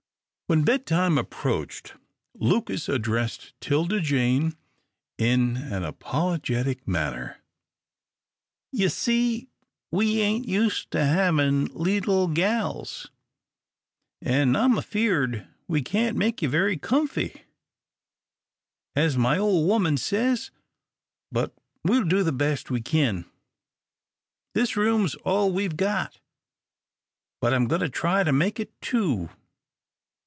When bedtime approached, Lucas addressed 'Tilda Jane in an apologetic manner. "Ye see we ain't used to havin' leetle gals, an' I'm afeard we can't make you very comfy, as my ole woman says, but we'll do the best we kin. This room's all we've got, but I'm goin' to try to make it two.